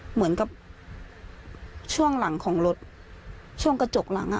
เหมือนกับช่วงหลังของรถช่วงกระจกหลังอ่ะ